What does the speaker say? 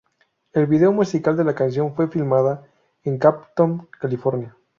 El video musical de la canción fue filmado en Compton, California.